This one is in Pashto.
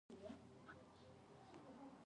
پدیده پوهنه غواړي د شیانو حقیقت له بڼې وپېژني.